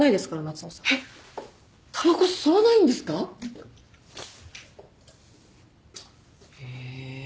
たばこ吸わないんですか？へ。